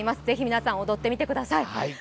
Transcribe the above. ぜひ皆さん、踊ってみてください。